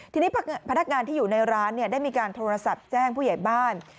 ทีนี้พนักงานที่อยู่ในร้านได้มีการโทรศัพท์แจ้งผู้ใหญ่บ้าน